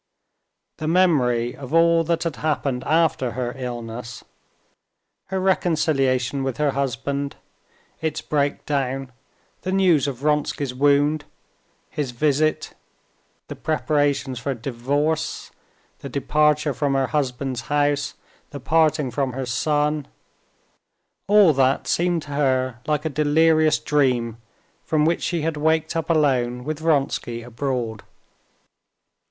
The memory of all that had happened after her illness: her reconciliation with her husband, its breakdown, the news of Vronsky's wound, his visit, the preparations for divorce, the departure from her husband's house, the parting from her son—all that seemed to her like a delirious dream, from which she had waked up alone with Vronsky abroad.